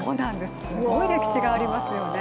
すごい歴史がありますよね。